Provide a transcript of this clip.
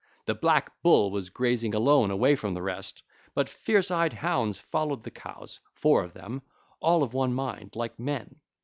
The black bull was grazing alone away from the rest, but fierce eyed hounds followed the cows, four of them, all of one mind, like men.